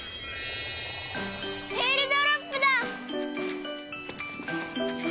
えーるドロップだ！